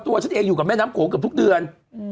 ตัวฉันเองอยู่กับแม่น้ำโขงเกือบทุกเดือน